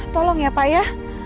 tolong ya pak ya